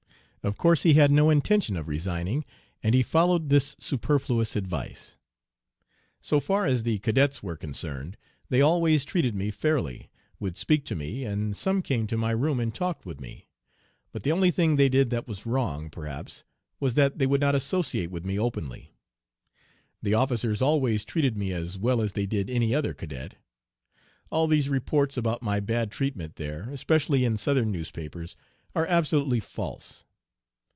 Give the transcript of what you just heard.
Of course he had no intention of resigning, and he followed this superfluous advice. So far as the cadets were concerned they always treated me fairly, would speak to me, and some came to my room and talked with me, but the only thing they did that was wrong, perhaps, was that they would not associate with me openly. The officers always treated me as well as they did any other cadet. All these reports about my bad treatment there, especially in Southern newspapers, are absolutely false.